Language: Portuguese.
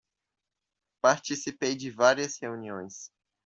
Participei de várias reuniões